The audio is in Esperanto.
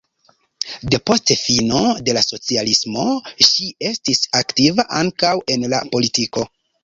Depost fino de la socialismo ŝi estis aktiva ankaŭ en la politiko.